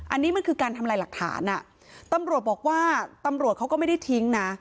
อันนี้มันคือการทำลายหลักฐานอ่ะตำรวจบอกว่าตำรวจเขาก็ไม่ได้ทิ้งนะ